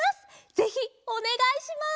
ぜひおねがいします！